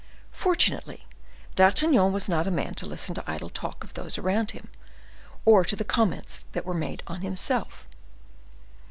Fortunately, D'Artagnan was not a man to listen to the idle talk of those around him, or to the comments that were made on himself.